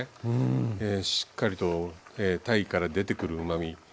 しっかりとたいから出てくるうまみ。